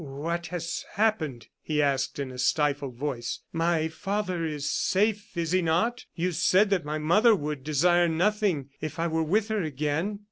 "What has happened?" he asked, in a stifled voice. "My father is safe, is he not? You said that my mother would desire nothing, if I were with her again.